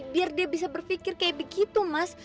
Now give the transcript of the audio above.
biar dia bisa berpikir kayak begitu mas